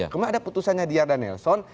kemudian ada putusannya diyar dan nelson